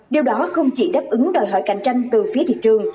điều đó không chỉ đáp ứng đòi hỏi cạnh tranh từ phía thị trường